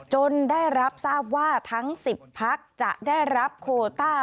ได้รับทราบว่าทั้ง๑๐พักจะได้รับโคต้า